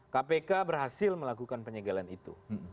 kpk berhasil melakukan penyegalan itu